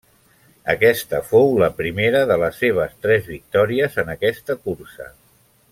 Aquesta fou la primera de les seves tres victòries en aquesta cursa.